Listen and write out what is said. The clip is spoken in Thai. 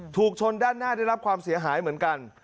ถูกชนด้านหน้าได้รับความเสียหายเหมือนกัน